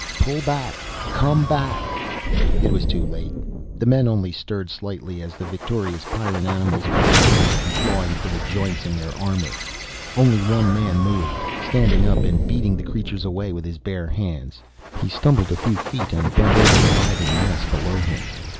"Pull back, come back ..." It was too late. The men only stirred slightly as the victorious Pyrran animals washed over them, clawing for the joints in their armor. Only one man moved, standing up and beating the creatures away with his bare hands. He stumbled a few feet and bent over the writhing mass below him.